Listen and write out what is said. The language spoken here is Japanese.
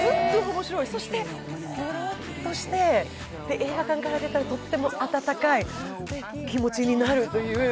そしてほろっとして映画館から出たらとっても温かい気持ちになる。